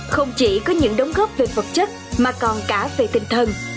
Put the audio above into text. không chỉ có những đóng góp về vật chất mà còn cả về tinh thần